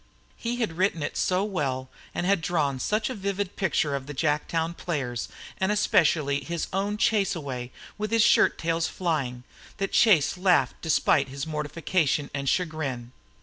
He had written it so well, and had drawn such a vivid picture of the Jacktown players, and especially of his own "chase away" with his shirttails flying, that Chase laughed despite his mortification and chagrin.